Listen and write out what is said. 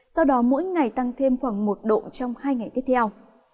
sau đó mỗi ngày tăng thêm khoảng một độ trong hai ngày tiếp theo